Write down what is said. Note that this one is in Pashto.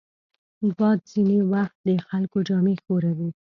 باد ځینې وخت د خلکو جامې ښوروي